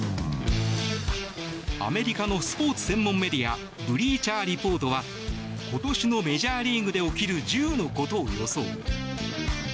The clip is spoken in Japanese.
アメリカのスポーツ専門メディアブリーチャーリポートは今年のメジャーリーグで起きる１０のことを予想。